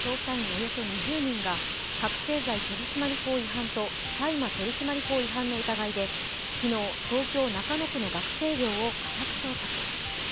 およそ２０人が覚醒剤取締法違反と大麻取締法違反の疑いで昨日、東京・中野区の学生寮を家宅捜索。